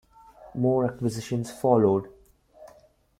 More acquisitions followed.